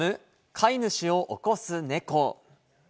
飼い主を起こす猫。